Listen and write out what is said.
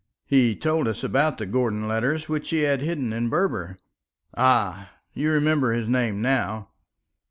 He told us about the Gordon letters which he had hidden in Berber. Ah! you remember his name now."